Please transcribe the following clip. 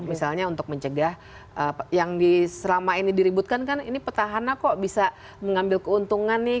misalnya untuk mencegah yang selama ini diributkan kan ini petahana kok bisa mengambil keuntungan nih